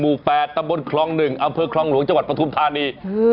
หมู่แฟดตำบลครองหนึ่งอำเภอครองหลวงจังหวัดประทุมธานี